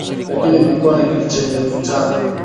Lakini imekuwa ni kitu chenye mvutano ,